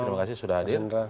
terima kasih sudah hadir